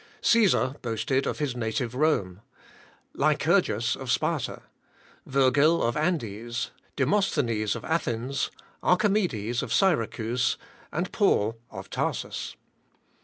Cæsar boasted of his native Rome; Lycurgus of Sparta; Virgil of Andes; Demosthenes of Athens; Archimedes of Syracuse; and Paul of Tarsus.